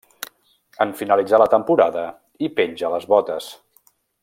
En finalitzar la temporada, hi penja les botes.